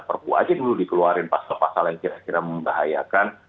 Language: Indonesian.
perpu aja dulu dikeluarin pasal pasal yang kira kira membahayakan